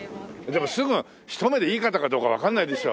でもすぐひと目でいい方かどうかわかんないでしょ。